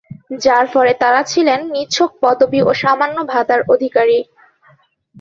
যার ফলে তাঁরা ছিলেন নিছক পদবি ও সামান্য ভাতার অধিকারী।